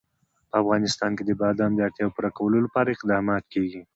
په افغانستان کې د بادام د اړتیاوو پوره کولو لپاره اقدامات کېږي.